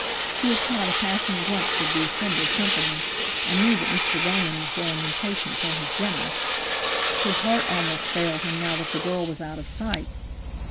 He had caught a passing glimpse of the assembled company, and knew that Mr. Bowman was growing impatient for his dinner. His heart almost failed him now that the girl was out of sight.